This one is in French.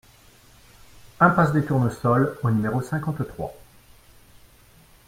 IMPASSE DES TOURNESOLS au numéro cinquante-trois